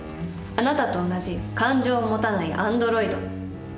あなたと同じ感情を持たないアンドロイド。